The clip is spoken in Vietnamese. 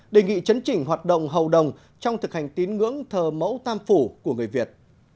đề nghị chấn chỉnh hoạt động hầu đồng trong thực hành tín ngưỡng thờ mẫu tam phủ của người việt